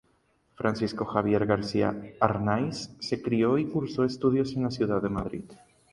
Francisco Javier García Arnáiz se crio y cursó estudios en la ciudad de Madrid.